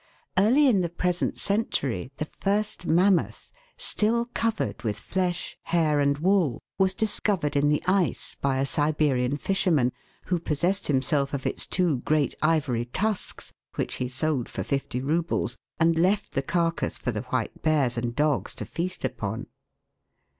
Early in the present century, the first mammoth, still covered with flesh, hair, and wool, was discovered in the ice by a Siberian fisherman, who possessed himself of its two great ivory tusks, which he sold for fifty roubles, and left the carcass for the white bears and dogs to feast upon.